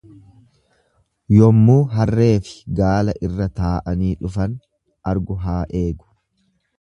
Yommuu harree fi gaala irra taa'anii dhufan argu haa eegu.